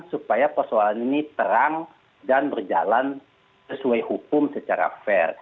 supaya persoalan ini terang dan berjalan sesuai hukum secara fair